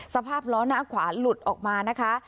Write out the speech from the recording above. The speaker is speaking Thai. สภาพล้อหน้าขวาหลุดออกมานะคะ